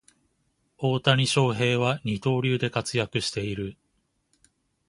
大谷翔平は二刀流で活躍している